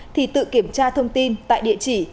thì tự kiểm tra thông tin tại địa chỉ